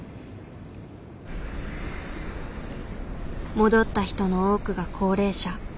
戻った人の多くが高齢者。